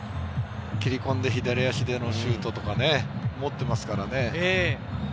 切り込んで左足でのシュートとか持っていますからね。